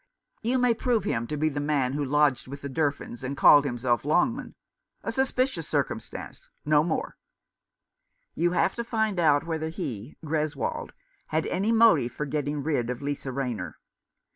You may prove him to be the man who lodged with the Durfins, and called himself Longman : a suspicious circumstance, no more. 254 The Boyhood of Oliver Greswold. You have to find whether he, Greswold, had any motive for getting rid of Lisa Rayner.